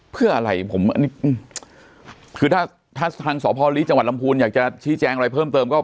เพื่ออะไรถ้าทางสหภารีจมหลักพูนอยากจะชี้แจงอะไรเพิ่มเติม